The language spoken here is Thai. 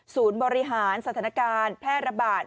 บริหารสถานการณ์แพร่ระบาด